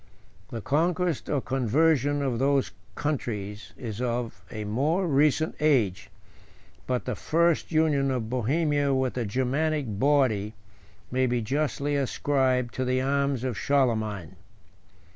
The conquest or conversion of those countries is of a more recent age; but the first union of Bohemia with the Germanic body may be justly ascribed to the arms of Charlemagne.